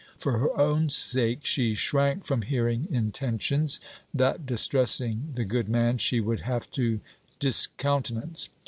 For her own sake, she shrank from hearing intentions, that distressing the good man, she would have to discountenance.